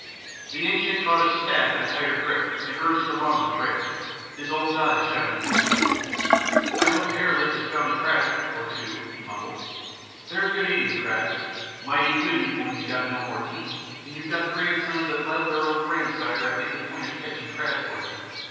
The ancient caught his staff in a tighter grip and urged along the trail, his old eyes shining greedily. "I hope Hare Lip 's found a crab... or two," he mumbled. "They're good eating, crabs, mighty good eating when you've no more teeth and you've got grandsons that love their old grandsire and make a point of catching crabs for him.